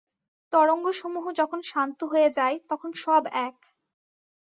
তরঙ্গসমূহ যখন শান্ত হয়ে যায়, তখন সব এক।